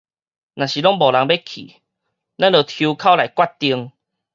若是攏無人欲去，咱就抽鬮來決定